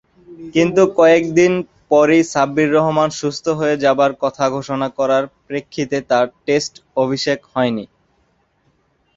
কিন্তু কয়েকদিন পরই সাব্বির রহমান সুস্থ হয়ে যাবার কথা ঘোষণা করার প্রেক্ষিতে তার টেস্ট অভিষেক হয়নি।